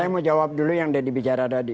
saya mau jawab dulu yang deddy bicara tadi